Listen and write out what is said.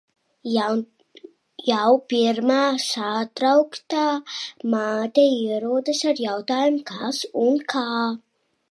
Jau pirmā satrauktā māte ierodas ar jautājumu, kas un kā.